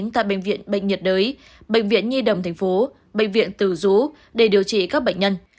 tại bệnh viện bệnh nhiệt đới bệnh viện nhi đầm tp hcm bệnh viện tử rũ để điều trị các bệnh nhân